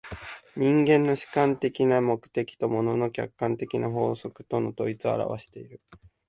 人間の主観的な目的と物の客観的な法則との統一を現わしている。